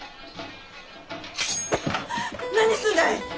何すんだい！